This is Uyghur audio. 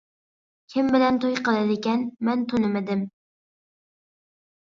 -كىم بىلەن توي قىلىدىكەن؟ مەن تونۇمدىم.